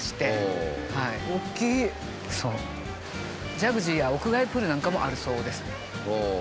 ジャグジーや屋外プールなんかもあるそうです。